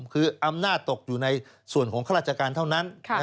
คืออำนาจตกอยู่ในส่วนของข้าราชการเท่านั้น